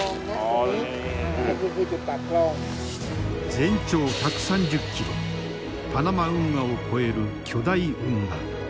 全長１３０キロパナマ運河を超える巨大運河。